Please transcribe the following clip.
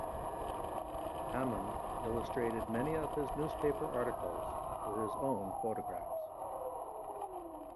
Hammond illustrated many of his newspaper articles with his own photographs.